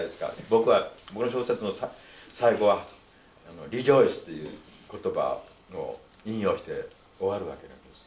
僕はこの小説の最後は「リジョイス」っていう言葉を引用して終わるわけなんです。